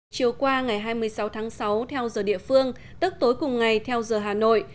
chiều qua ngày hai mươi sáu tháng sáu theo giờ địa phương tức tối cùng ngày theo giờ hà nội